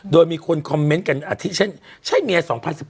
โดยมีคนคอมเมนต์กันอย่างเช่น